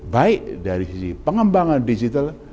baik dari sisi pengembangan digital